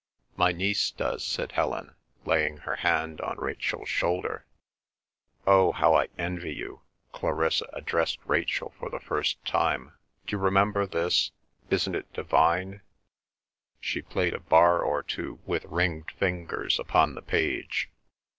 "My niece does," said Helen, laying her hand on Rachel's shoulder. "Oh, how I envy you!" Clarissa addressed Rachel for the first time. "D'you remember this? Isn't it divine?" She played a bar or two with ringed fingers upon the page.